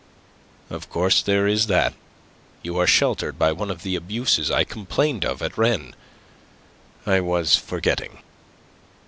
"Of course there is that. You are sheltered by one of the abuses I complained of at Rennes. I was forgetting."